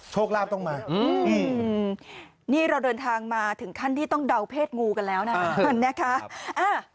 โชคลาภต้องมานี่เราเดินทางมาถึงขั้นที่ต้องเดาเพศงูกันแล้วนะนะคะ